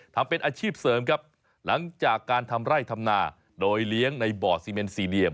ทำเป็นอาชีพเสริมครับหลังจากการทำไร่ทำนาโดยเลี้ยงในบ่อซีเมนซีเดียม